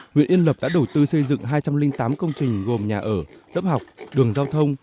huyện yên lập đã đầu tư xây dựng hai trăm linh tám công trình gồm nhà ở lớp học đường giao thông